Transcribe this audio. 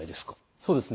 そうですね